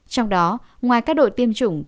trong đó ngoài các đội tiêm chủng